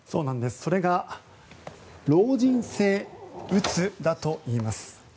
それが老人性うつだといいます。